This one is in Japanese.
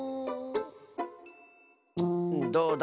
どうだ？